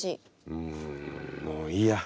うんもういいや。